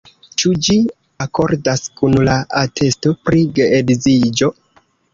Ĉu ĝi akordas kun la atesto pri geedziĝo?